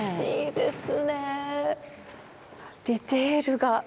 ディテールが。